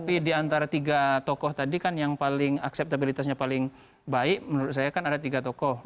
karena antara tiga tokoh tadi kan yang paling akseptabilitasnya paling baik menurut saya kan ada tiga tokoh